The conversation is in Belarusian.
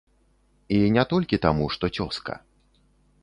І не толькі таму, што цёзка.